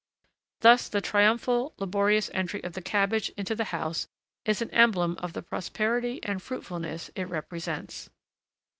Thus the triumphal, laborious entry of the cabbage into the house is an emblem of the prosperity and fruitfulness it represents.